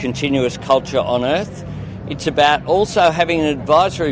atau sebuah negara boleh menyiapkan